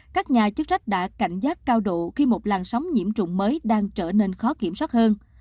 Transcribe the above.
các nhà chức trách đã cảnh giác cao độ khi một làn sóng nhiễm trụng mới đang trở nên khó kiểm soát hơn